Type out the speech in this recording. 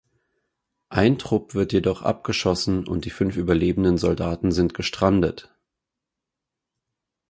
Ein Trupp wird jedoch abgeschossen und die fünf überlebenden Soldaten sind gestrandet.